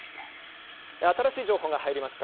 新しい情報が入りました。